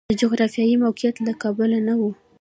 د جغرافیوي موقعیت له کبله نه و.